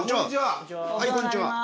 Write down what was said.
はいこんにちは。